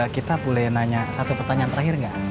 kita boleh nanya satu pertanyaan terakhir nggak